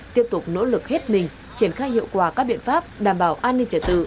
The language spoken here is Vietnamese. tiếp tục nỗ lực hết mình triển khai hiệu quả các biện pháp đảm bảo an ninh trả tự